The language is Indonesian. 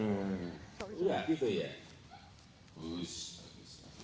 udah gitu ya